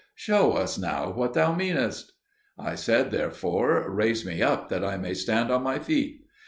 Show us now what thou meanest." I said, therefore, "Raise me up that I may stand on my feet."